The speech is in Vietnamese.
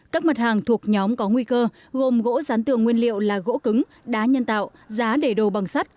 các mặt hàng thuộc nhóm có nguy cơ gồm gỗ rán tường nguyên liệu là gỗ cứng đá nhân tạo giá để đồ bằng sắt